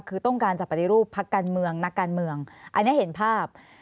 คือต้องการจะปฏิรูปพักการเมืองนักการเมืองอันนี้เห็นภาพ